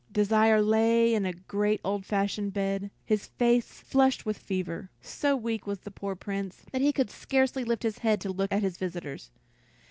Desire lay in a great old fashioned bed, his face flushed with fever. So weak was the poor Prince, that he could scarcely lift his head to look at his visitors.